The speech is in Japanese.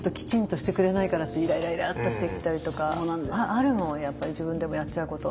あるもんやっぱり自分でもやっちゃうこと。